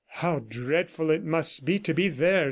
"How dreadful it must be to be there!"